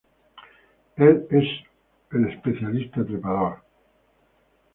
Él es un el especialista trepador.